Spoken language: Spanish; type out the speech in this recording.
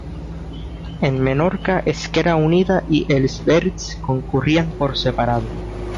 En Menorca, Esquerra Unida y Els Verds concurrían por separado.